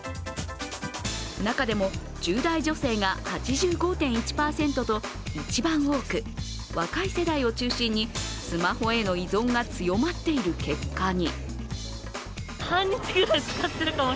中でも１０代女性が８５．１％と一番多く若い世代を中心にスマホへの依存が強まっている結果に。